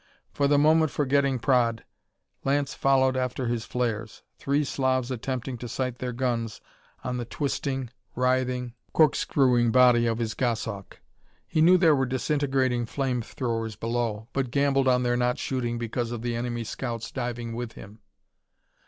For the moment forgetting Praed, Lance followed after his flares, three Slavs attempting to sight their guns on the twisting, writhing, corkscrewing body of his Goshawk. He knew there were disintegrating flame throwers below, but gambled on their not shooting because of the enemy scouts diving with him.